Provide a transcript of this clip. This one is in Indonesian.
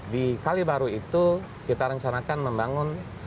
di kali baru itu kita rencanakan membangun